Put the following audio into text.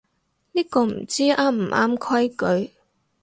呢個唔知啱唔啱規矩